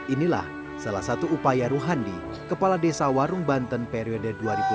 inilah salah satu upaya ruhandi kepala desa warung banten periode dua ribu lima belas dua ribu dua puluh satu